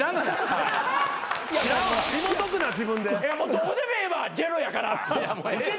どうでもええわジェロやから。